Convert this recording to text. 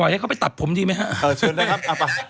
เดี๋ยวจะเห็นนุ้ยโค่ฌาเพิ่งบ